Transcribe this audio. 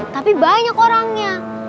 tapi banyak orangnya